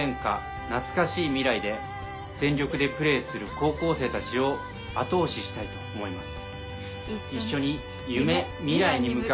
で全力でプレーする高校生たちを後押ししたいと思います。